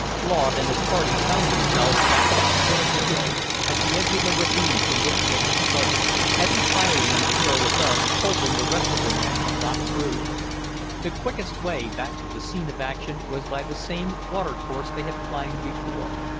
Claude and his party found themselves back at the foot of the hill, at the edge of the ravine from which they had started. Heavy firing on the hill above told them the rest of the men had got through. The quickest way back to the scene of action was by the same water course they had climbed before.